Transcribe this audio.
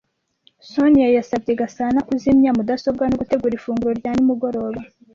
Soniya yasabye Gasana kuzimya mudasobwa no gutegura ifunguro rya nimugoroba.